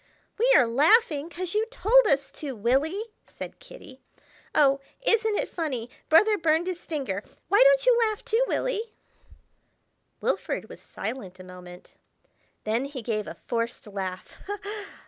"We are laughing 'cause you told us to, Willy!" said Kitty. "Oh, isn't it funny, brother burned his finger! Why don't you laugh, too, Willy?" Wilfrid was silent a moment; then he gave a forced laugh.